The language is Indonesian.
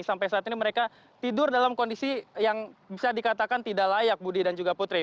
sampai saat ini mereka tidur dalam kondisi yang bisa dikatakan tidak layak budi dan juga putri